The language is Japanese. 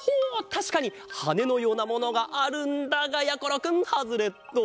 たしかにはねのようなものがあるんだがやころくんハズレット！